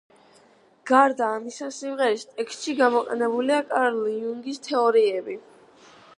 გარდა ამისა, სიმღერის ტექსტში გამოყენებულია კარლ იუნგის თეორიები.